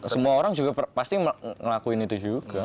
semua orang juga pasti ngelakuin itu juga